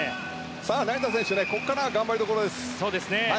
成田選手はここからが頑張りどころです。